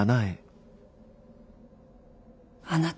あなた。